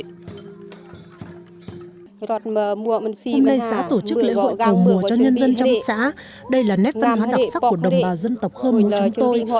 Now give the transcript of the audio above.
hôm nay xã tổ chức lễ hội cò mồ cho nhân dân trong xã đây là nét văn hóa đặc sắc của đồng bào dân tộc khơ mính chúng tôi